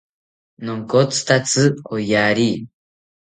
Nonkotzitatzi oyari